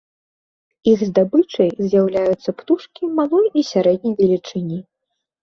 Іх здабычай з'яўляюцца птушкі малой і сярэдняй велічыні.